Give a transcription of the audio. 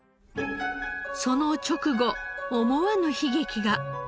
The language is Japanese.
その直後思わぬ悲劇が。